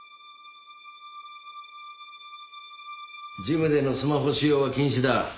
・ジムでのスマホ使用は禁止だ。